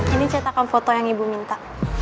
ini cetakan foto yang ibu minta